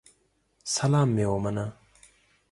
سلام مي ومنه